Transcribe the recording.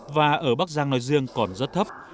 và ở bắc giang nói riêng còn rất thấp